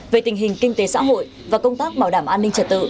về tình hình kinh tế xã hội và công tác bảo đảm an ninh trật tự